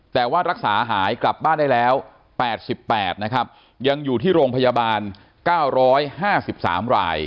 แต่ว่ารักษาหายกลับบ้านได้แล้ว๘๘นะครับยังอยู่ที่โรงพยาบาล๙๕๓ราย